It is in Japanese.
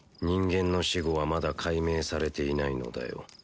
人間の死後はまだ解明されていないのだよ